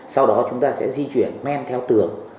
sau đó chúng ta sẽ di chuyển men theo tường